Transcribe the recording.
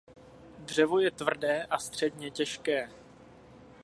Dřevo je tvrdé a středně těžké.